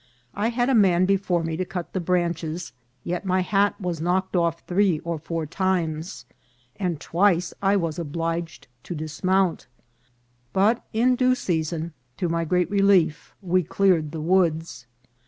I had a man before me to cut the branches, yet my hat was knocked off three or four times, and twice I was obliged to dismount ; but in due season, to my great relief, we cleared the woods.